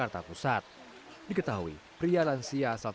namun bagi pemudik yang kondisinya sehat